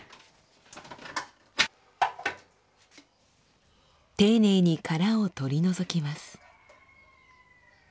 丁寧に殻を取り除きます。